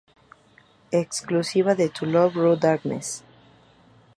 Exclusiva de To Love-Ru Darkness.